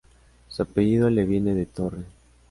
Su apellido le viene de "torre".